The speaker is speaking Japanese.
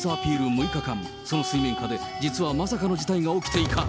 ６日間、その水面下で、実はまさかの事態が起きていた。